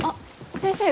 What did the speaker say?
先生。